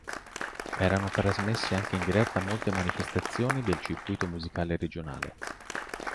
Erano trasmesse anche in diretta molte manifestazioni del circuito musicale regionale.